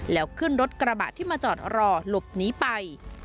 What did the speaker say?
แล้วขึ้นรถกระบะที่มาจอดรอหลบหนีไป